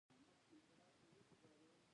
سپین کالي د جمعې او اختر لپاره دي.